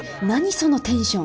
そのテンション。